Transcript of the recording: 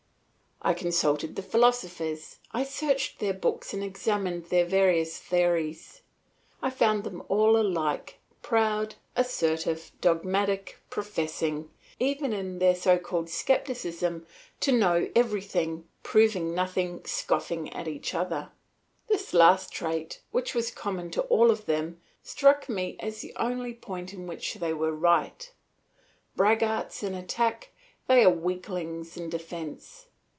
I consulted the philosophers, I searched their books and examined their various theories; I found them all alike proud, assertive, dogmatic, professing, even in their so called scepticism, to know everything, proving nothing, scoffing at each other. This last trait, which was common to all of them, struck me as the only point in which they were right. Braggarts in attack, they are weaklings in defence.